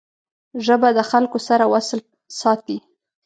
ژبه د خلګو سره وصل ساتي